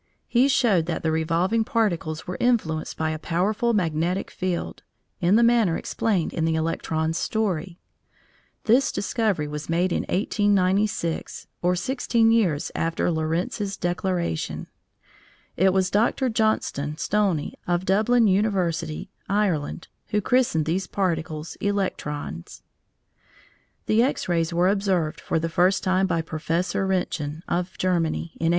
He showed that the revolving "particles" were influenced by a powerful magnetic field, in the manner explained in the electron's story. This discovery was made in 1896, or sixteen years after Lorentz's declaration. It was Dr. Johnstone Stoney, of Dublin University (Ireland), who christened these particles "electrons." The X rays were observed for the first time by Professor Roentgen, of Germany, in 1895.